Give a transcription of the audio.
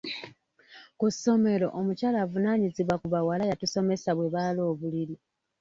Ku ssomero omukyala avunaanyizibwa ku bawala yatusomesa bwe baala obuliri.